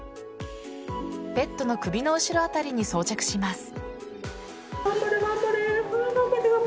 ペットの首の後ろあたりに装着します。